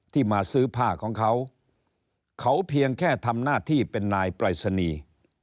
มาซื้อผ้าของเขาเขาเพียงแค่ทำหน้าที่เป็นนายปรายศนีย์